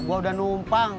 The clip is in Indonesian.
gue udah numpang